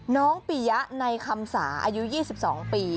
น้องปียะในคำสาอายุ๒๒ปี